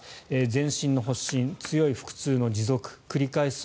全身の発疹、強い腹痛の持続繰り返す